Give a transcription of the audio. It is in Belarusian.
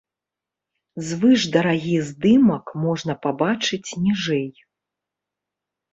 Звышдарагі здымак можна пабачыць ніжэй.